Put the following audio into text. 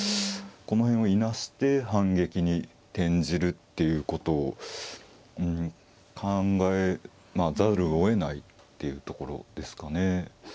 この辺をいなして反撃に転じるっていうことを考えざるをえないっていうところですかね。